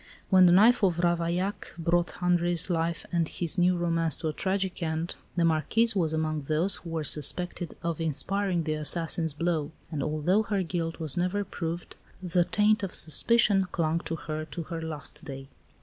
When the knife of Ravaillac brought Henri's life and his new romance to a tragic end, the Marquise was among those who were suspected of inspiring the assassin's blow; and although her guilt was never proved, the taint of suspicion clung to her to her last day.